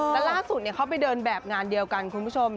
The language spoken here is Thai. แล้วล่าสุดเขาไปเดินแบบงานเดียวกันคุณผู้ชม